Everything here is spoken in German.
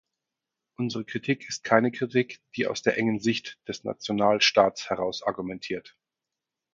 Unsere Kritik ist keine Kritik, die aus der engen Sicht des Nationalstaats heraus argumentiert.